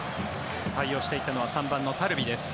対応していったのは３番のタルビです。